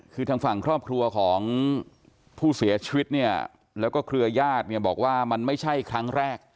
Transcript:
คือทางฝั่งครอบครัวของผู้เสียชีวิตเนี่ยแล้วก็เครือญาติเนี่ยบอกว่ามันไม่ใช่ครั้งแรก